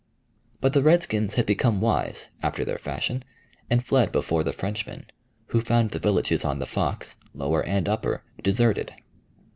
But the redskins had become wise, after their fashion, and fled before the Frenchmen, who found the villages on the Fox, lower and upper, deserted.